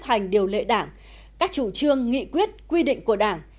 chấp hành điều lệ đảng các chủ trương nghị quyết quy định của đảng